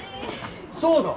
そうだ！